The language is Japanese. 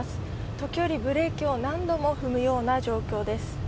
時折、ブレーキを何度も踏むような状況です。